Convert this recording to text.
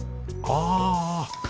あぁ。